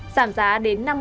giảm giá đến năm mươi